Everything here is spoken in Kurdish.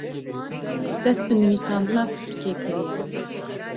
dest bi nivîsandina pirtûkê kiriye